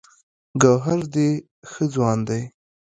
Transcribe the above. ګوهر ډې ښۀ ځوان دی